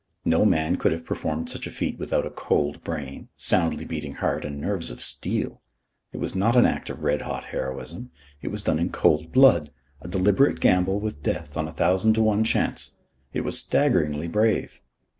No man could have performed such a feat without a cold brain, soundly beating heart, and nerves of steel. It was not an act of red hot heroism. It was done in cold blood, a deliberate gamble with death on a thousand to one chance. It was staggeringly brave.